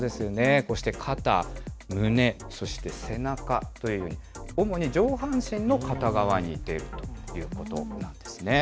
こうして肩、胸、そして背中というように、主に上半身の片側に出るということなんですね。